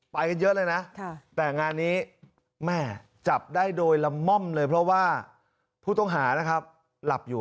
ไปกันเยอะเลยนะแต่งานนี้แม่จับได้โดยละม่อมเลยเพราะว่าผู้ต้องหานะครับหลับอยู่